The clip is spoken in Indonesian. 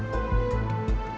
saya juga ingin mencoba